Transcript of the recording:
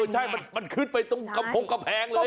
ใช่มันขึ้นไปตรงกำพงกำแพงเลย